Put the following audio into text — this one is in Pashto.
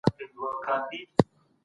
د خولې بد بوی د ناروغۍ نښه ده.